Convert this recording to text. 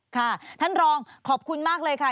ค่ะท่านรองขอบคุณมากเลยค่ะ